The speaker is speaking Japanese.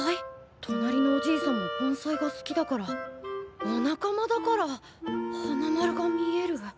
となりのおじいさんも盆栽が好きだからお仲間だから花丸が見える？